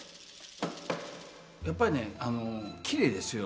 やっぱりきれいですよ